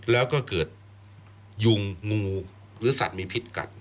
แล้วก็เกิดยุงงูหรือสัตว์มีพิษกัด